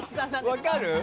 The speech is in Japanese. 分かる？